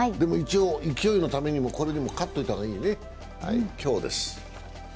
勢いのためにもこれにも勝っておいたほうがいいね、今日です